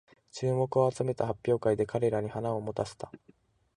注目を集めた発表会で彼らに花を持たせた